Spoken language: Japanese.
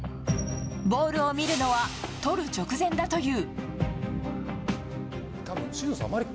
ボールを見るのはとる直前だという。